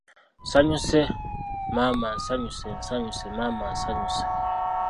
Nsanyuse maama nsanyuse nsanyuse maama nsanyuse